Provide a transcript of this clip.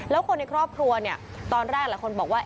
แล้วคนในครอบครัวเนี่ยตอนแรกหลายคนบอกว่า